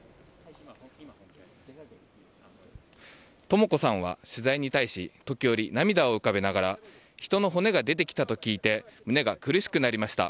とも子さんは取材に対し時折、涙を浮かべながら人の骨が出てきたと聞いて胸が苦しくなりました。